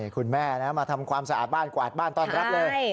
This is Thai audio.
คุณแม่มาทำความสะอาดบ้านกวาดบ้านต้อนรับเลย